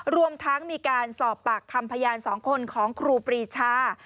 รวมทั้งมีการสอบปากคำพยาน๒คนของครูปรีชา